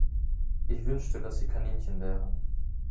Ich wünschte, dass sie Kaninchen wären.